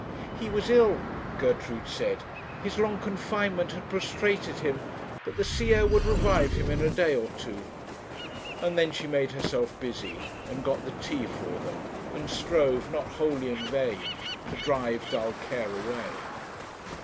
'He was ill,' Gertrude said; 'his long confinement had prostrated him; but the sea air would revive him in a day or two.' And then she made herself busy, and got the tea for them, and strove, not wholly in vain,' to drive dull care away!'